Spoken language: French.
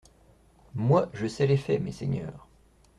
Moi, je sais les faits, messeigneurs.